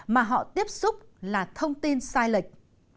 và họ tiếp xúc là thông tin sai lệch